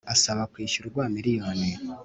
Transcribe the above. asaba kwishyurwa miliyoni